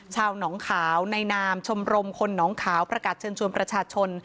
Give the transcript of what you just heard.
หนองขาวในนามชมรมคนหนองขาวประกาศเชิญชวนประชาชน